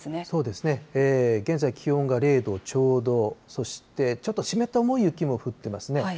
そうですね、現在、気温が０度ちょうど、そして、ちょっと湿った重い雪も降っていますね。